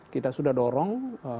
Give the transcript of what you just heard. kita sudah dorong